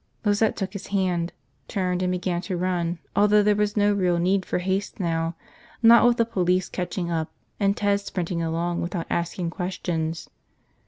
Lizette took his hand, turned, and began to run although there was no real need for haste now, not with the police catching up and Ted sprinting along without asking questions.